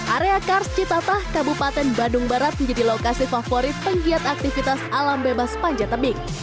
area kars citatah kabupaten bandung barat menjadi lokasi favorit penggiat aktivitas alam bebas panjat tebing